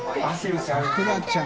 さくらちゃん」